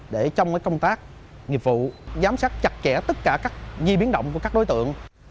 để trong công tác nghiệp vụ giám sát chặt chẽ tất cả các di biến động của các đối tượng